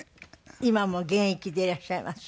今も現役でいらっしゃいます。